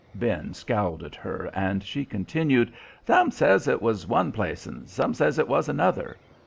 Ben scowled at her, and she continued: "Some sez it was one place, some sez it was another.